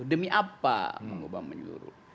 demi apa mengubah menyeluruh